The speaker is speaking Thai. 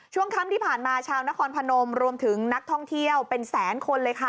ช่วงค่ำที่ผ่านมาชาวนครพนมรวมถึงนักท่องเที่ยวเป็นแสนคนเลยค่ะ